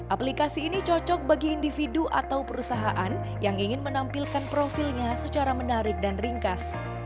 aplikasi ini cocok bagi individu atau perusahaan yang ingin menampilkan profilnya secara menarik dan ringkas